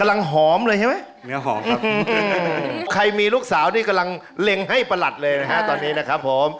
บอกใครมีลูกสาวที่กำลังเล็งให้ประหลัดเลยนะครับตอนนี้นะครับผม